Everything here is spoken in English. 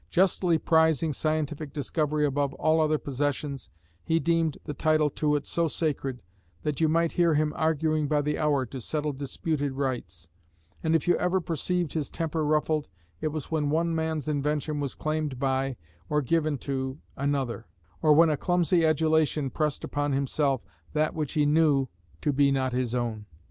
Justly prizing scientific discovery above all other possessions, he deemed the title to it so sacred, that you might hear him arguing by the hour to settle disputed rights; and if you ever perceived his temper ruffled, it was when one man's invention was claimed by, or given to, another; or when a clumsy adulation pressed upon himself that which he knew to be not his own.